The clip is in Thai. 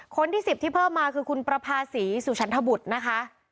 คนที่๑๐ที่เพิ่มมาคือคุณประภาษีสุฉันทบุตรนะคะ